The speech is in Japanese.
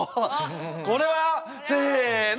これはせの！